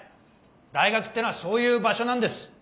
大学ってのはそういう場所なんです。